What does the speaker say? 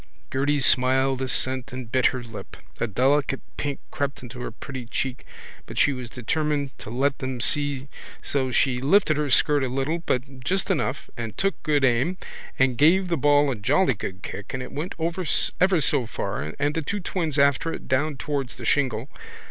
Gerty smiled assent and bit her lip. A delicate pink crept into her pretty cheek but she was determined to let them see so she just lifted her skirt a little but just enough and took good aim and gave the ball a jolly good kick and it went ever so far and the two twins after it down towards the shingle.